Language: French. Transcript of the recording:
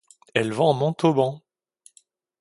Elle vend Montauban.